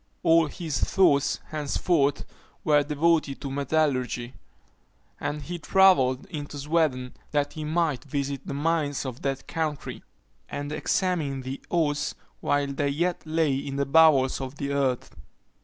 All his thoughts henceforth were devoted to metallurgy; and he travelled into Sweden that he might visit the mines of that country, and examine the ores while they yet lay in the bowels of the earth.